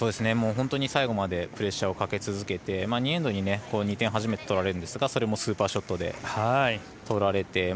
本当に最後までプレッシャーをかけ続けて２エンドに２点初めて取られますがそれもスーパーショットで取られて